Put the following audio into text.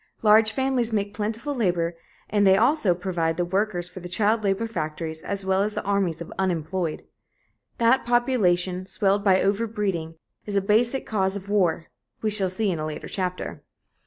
Large families make plentiful labor and they also provide the workers for the child labor factories as well as the armies of unemployed. That population, swelled by overbreeding, is a basic cause of war, we shall see in a later chapter.